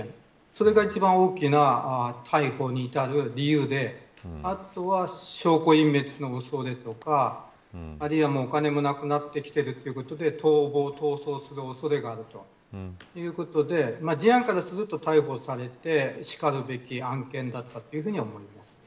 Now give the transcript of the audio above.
それが一番今回の大きな逮捕に至る理由であとは、証拠隠滅の恐れですとかお金もなくなってきてということで逃亡、逃走する恐れがあるということで事案からすると逮捕されてしかるべき案件だったと思います。